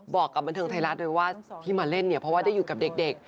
บอกกับบันเทิงไทยรัฐเลยว่าที่มาเล่นเนี่ยเพราะว่าได้อยู่กับเด็ก